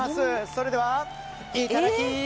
それではいただき！